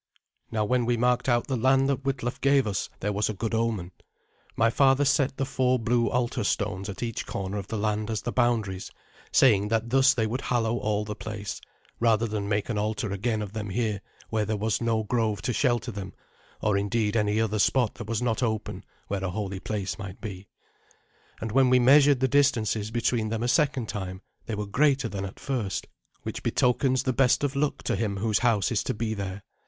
Now when we marked out the land that Witlaf gave us, there was a good omen. My father set the four blue altar stones at each corner of the land as the boundaries, saying that thus they would hallow all the place, rather than make an altar again of them here where there was no grove to shelter them, or, indeed, any other spot that was not open, where a holy place might be. And when we measured the distances between them a second time they were greater than at first, which betokens the best of luck to him whose house is to be there.